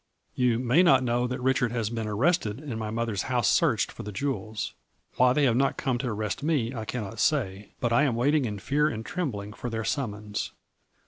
You may not know that Richard has been arrested and my mother's house searched for the jewels. Why they have not come to arrest me I cannot say, but I am waiting in fear and trembling for their sum mons.